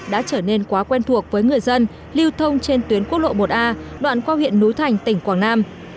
đã trở nên quá quen thuộc với người dân lưu thông trên tuyến quốc lộ một a đoạn qua huyện núi thành tỉnh quảng nam